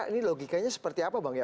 ini logikanya seperti apa bang ya